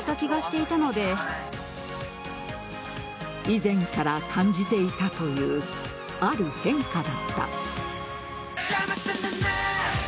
以前から感じていたというある変化だった。